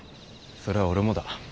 それは俺もだ。